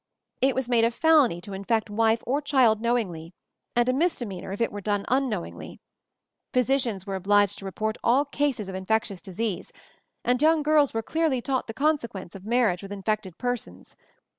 It was made a felony to infect wife or child know ingly, and a misdemeanor if it were done unknowingly. Physicians were obliged to report all cases of infectious disease, and young girls were clearly taught the conse quence of marriage with infected persons.